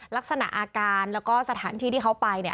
ลักษณะอาการแล้วก็สถานที่ที่เขาไปเนี่ย